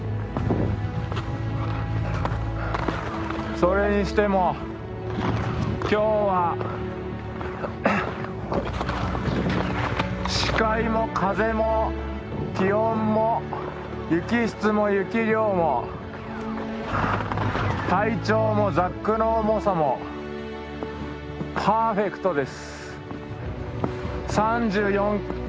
それにしても今日は視界も風も気温も雪質も雪量も体調もザックの重さもパーフェクトです。